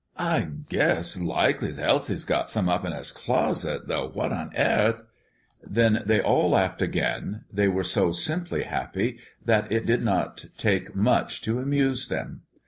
I guess likely Elsie's got some up 'n his closet; though what on airth" Then they all laughed again: they were so simply happy that it did not take much to amuse them.